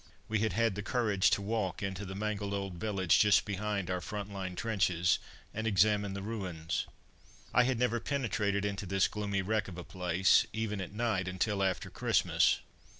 We had had the courage to walk into the mangled old village just behind our front line trenches, and examine the ruins. I had never penetrated into this gloomy wreck of a place, even at night, until after Christmas.